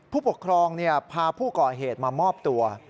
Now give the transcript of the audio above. ผู้ปกครองพาผู้ก่อเหตุมามอบตัว